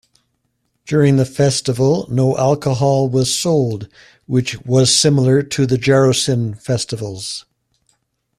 During the festival no alcohol was sold, which was similar to the Jarocin festivals.